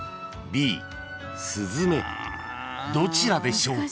［どちらでしょう？］